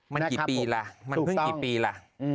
มันกี่ปีล่ะมันเพิ่งกี่ปีล่ะ